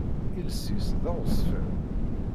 Iles-is d aɣezfan.